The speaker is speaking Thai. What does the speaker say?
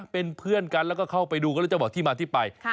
เป็นเพื่อนกันแล้วก็เข้าไปดูก็เลยจะบอกที่มาที่ไป